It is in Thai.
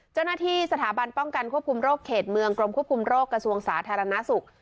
เจ้าหน้าที่สถาบันป้องกันควบคุมโรคเขตเมืองกรมควบคุมโรคกระทรวงสาธารณสุข